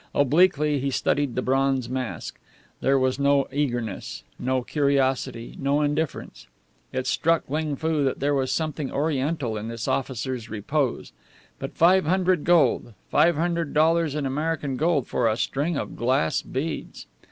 Obliquely he studied the bronze mask. There was no eagerness, no curiosity, no indifference. It struck Ling Foo that there was something Oriental in this officer's repose. But five hundred gold! Five hundred dollars in American gold for a string of glass beads!